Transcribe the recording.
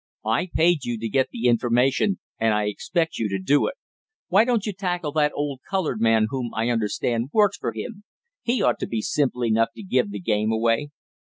I paid you to get the information and I expect you to do it. Why don't you tackle that old colored man whom, I understand, works for him? He ought to be simple enough to give the game away."